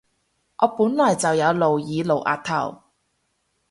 我本來就有露耳露額頭